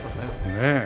ねえ。